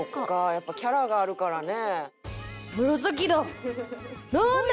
「やっぱキャラがあるからね」